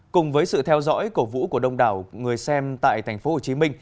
cùng với sự theo dõi cổ vũ của đông đảo người xem tại tp hcm